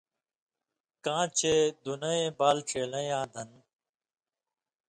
کاں چے (دِینَیں بال ڇېلیَیں یاں دن)